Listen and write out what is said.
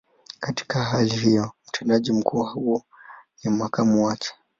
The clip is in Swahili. Katika hali hiyo, mtendaji mkuu huwa ni makamu wake.